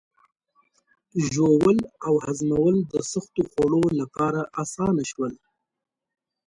ژوول او هضمول د سختو خوړو لپاره آسانه شول.